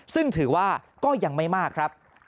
ซึ่งถือว่าก็ยังไม่มากครับ